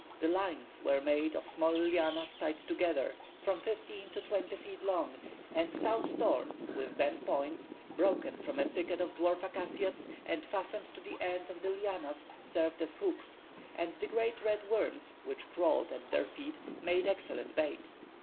The lines were made of small lianas tied together, from fifteen to twenty feet long, and stout thorns with bent points, broken from a thicket of dwarf acacias, and fastened to the ends of the lianas, served as hooks, and the great red worms which crawled at their feet made excellent bait.